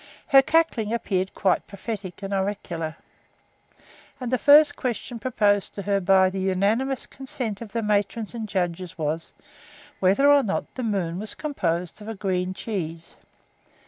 Her cackling appeared quite prophetic and oracular; and the first question proposed to her by the unanimous consent of the matrons and judges was, Whether or not the moon was composed of green cheese?